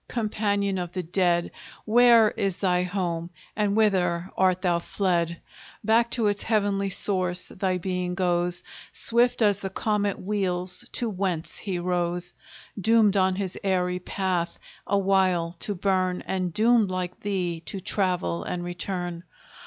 companion of the dead! Where is thy home, and whither art thou fled? Back to its heavenly source thy being goes. Swift as the comet wheels to whence he rose; Doomed on his airy path a while to burn, And doomed like thee to travel and return.